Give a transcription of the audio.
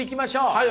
はい。